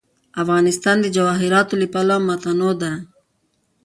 افغانستان د جواهراتو له پلوه متنوع دی.